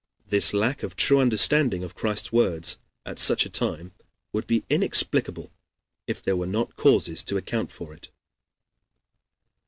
This lack of true understanding of Christ's words at such a time would be inexplicable, if there were not causes to account for it.